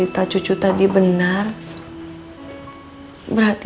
saya udah bilang pasti